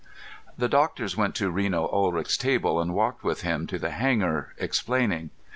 The doctors went to Reno Ulrich's table and walked with him to the hangar, explaining.